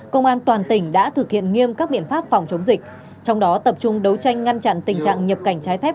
công an toàn tỉnh đã thực hiện nghiêm các biện pháp phòng chống dịch trong đó tập trung đấu tranh ngăn chặn tình trạng nhập cảnh trái phép